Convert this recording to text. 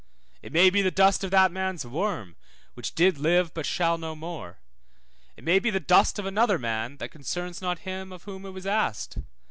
It may be the dust of that man's worm, which did live, but shall no more. It may be the dust of another man, that concerns not him of whom it was asked.